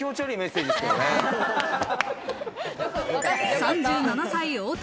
３７歳、太田。